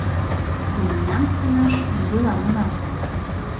Мемнам сеҥаш нигӧлан она пу!